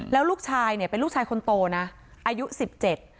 แล้วลูกชายเนี่ยเป็นลูกชายคนโตนะอายุสิบเจ็ด